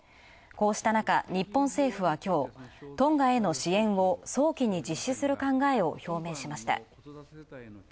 こうしたなか、日本政府はきょうトンガへの支援を早期に実施する考えを表明しました。